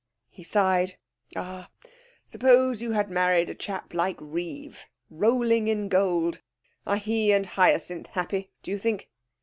He sighed. 'Ah, suppose you had married a chap like Reeve rolling in gold! Are he and Hyacinth happy, do you think?'